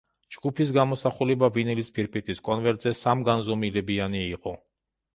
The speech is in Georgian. ჯგუფის გამოსახულება ვინილის ფირფიტის კონვერტზე სამგანზომილებიანი იყო.